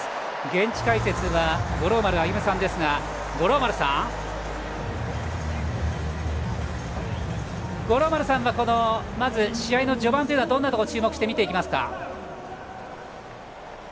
現地解説は五郎丸歩さんですが五郎丸さんはまず試合の序盤はどんなところに注目して見ていきますか。